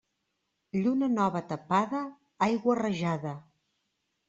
Lluna nova tapada, aigua rajada.